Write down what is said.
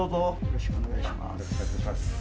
よろしくお願いします。